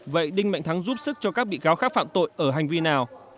vậy đinh mạnh thắng giúp sức cho các bị cáo khác phạm tội ở hành vi nào